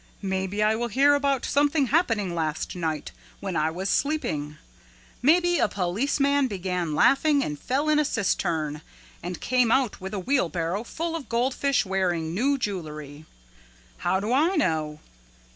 Maybe I will hear about something happening last night when I was sleeping. Maybe a policeman began laughing and fell in a cistern and came out with a wheelbarrow full of goldfish wearing new jewelry. How do I know?